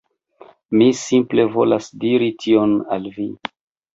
Mi simple volas diri tion al vi.